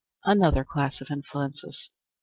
Another Class of Influences.